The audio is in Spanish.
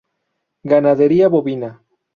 Ganadería bovina.